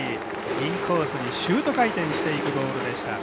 インコースにシュート回転していくボールでした。